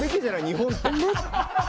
日本って。